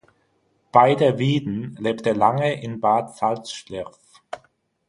Bei der Wieden lebte lange in Bad Salzschlirf.